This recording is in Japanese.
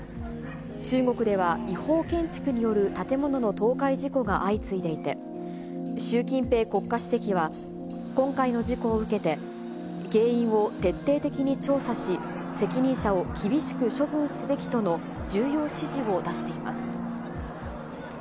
中国では、違法建築による建物の倒壊事故が相次いでいて、習近平国家主席は、今回の事故を受けて、原因を徹底的に調査し、責任者を厳しく処分すべきとの重要指示を出しています。